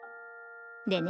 でね